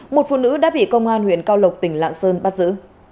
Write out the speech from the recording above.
một phụ nữ đã bị công an huyện cao lộc tỉnh lạng sơn bắt giữ